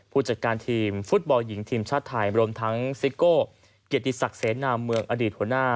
ผู้จัดการทีมฟุตบอลหญิงทีมชาติไทยรวมทั้งซิโก้เกียรติศักดิ์เสนาเมืองอดีตหัวหน้า